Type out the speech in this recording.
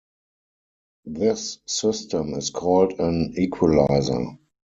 This system is called an equalizer.